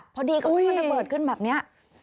พอดีกับว่ามันระเบิดขึ้นแบบนี้